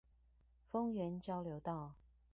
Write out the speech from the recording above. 豐原交流道